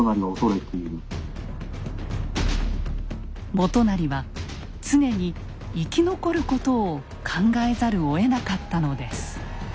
元就は常に生き残ることを考えざるをえなかったのです。